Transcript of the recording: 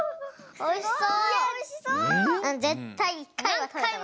おいしそう！